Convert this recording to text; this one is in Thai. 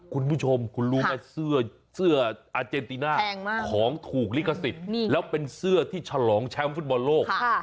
คุณผู้ชมคุณรู้ไหมเสื้ออาเจนติน่าของถูกลิขสิทธิ์แล้วเป็นเสื้อที่ฉลองแชมป์ฟุตบอลโลก